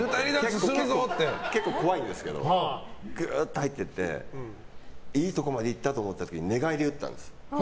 結構怖いんですけどグーッと入っていっていいところまでいったと思った時に寝返り打ったんですよ。